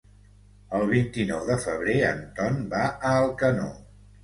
El vint-i-nou de febrer en Ton va a Alcanó.